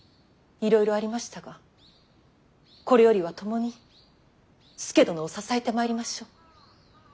いろいろありましたがこれよりは共に佐殿を支えてまいりましょう。